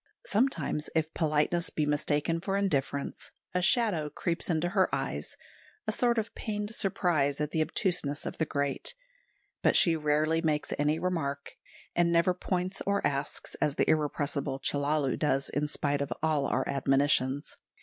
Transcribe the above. Sometimes, if politeness be mistaken for indifference, a shadow creeps into her eyes, a sort of pained surprise at the obtuseness of the great; but she rarely makes any remark, and never points or asks, as the irrepressible Chellalu does in spite of all our admonitions.